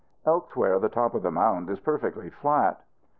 Elsewhere the top of the mound is perfectly flat.